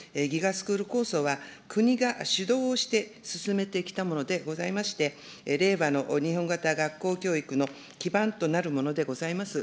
スクール構想は、国が主導をして進めてきたものでございまして、令和の日本型学校教育の基盤となるものでございます。